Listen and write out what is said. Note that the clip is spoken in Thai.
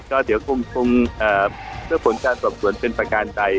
ก็เดี๋ยวคงเมื่อผลการสอบสวนเป็นประการใด